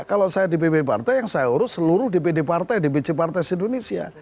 kalau saya dpp partai yang saya urus seluruh dpd partai dpc partai se indonesia